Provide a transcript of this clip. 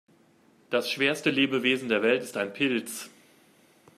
Das schwerste Lebewesen der Welt ist ein Pilz.